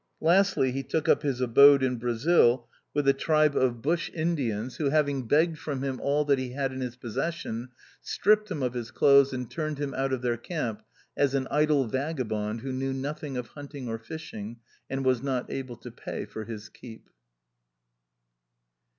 Lastly, he took up his abode in Brazil with a tribe of Bush i 5 4 THE OUTCAST. Indians, who, having begged from him all that he had in his possession, stripped him of his clothes and turned him out of their camp as an idle vagabond who knew nothing of hunting or fishing, and was not able to pay for his keep.